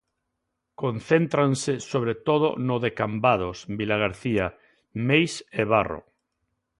Concéntranse sobre todo no de Cambados, Vilagarcía, Meis e Barro.